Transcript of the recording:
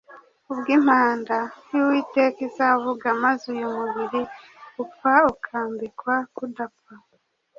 ubwo impanda y'Uwiteka izavuga, maze uyu mubiri upfa ukambikwa kudapfa,